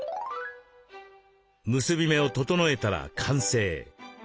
結び目を整えたら完成。